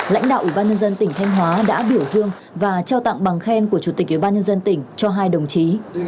lãnh đạo ủy ban nhân dân tỉnh thanh hóa đã biểu dương và trao tặng bằng khen của chủ tịch ủy ban nhân dân tỉnh cho hai đồng chí